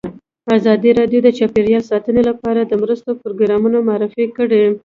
ازادي راډیو د چاپیریال ساتنه لپاره د مرستو پروګرامونه معرفي کړي.